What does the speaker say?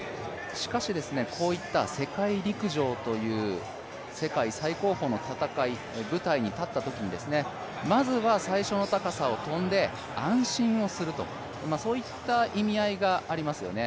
しかし、こういった世界陸上という世界最高峰の戦い、舞台に立ったときに、まずは最初の高さを跳んで安心をする、そういった意味合いがありますよね。